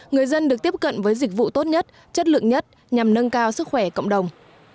người dân được tiếp cận với dịch vụ tốt nhất chất lượng nhất nhằm nâng cao sức khỏe cộng đồng